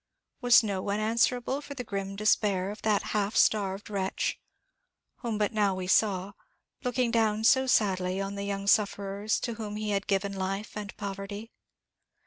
Was no one answerable for the grim despair of that half starved wretch, whom but now we saw, looking down so sadly on the young sufferers to whom he had given life and poverty?